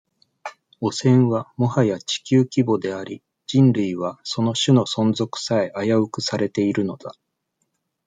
汚染は、もはや地球規模であり、人類は、その、種の存続さえ、危うくされているのだ。